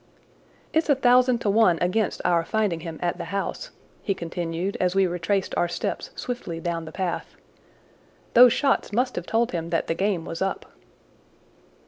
"It's a thousand to one against our finding him at the house," he continued as we retraced our steps swiftly down the path. "Those shots must have told him that the game was up."